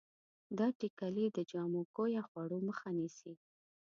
دا ټېکلې د جامو کویه خوړو مخه نیسي.